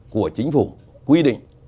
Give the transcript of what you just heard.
của chính phủ quy định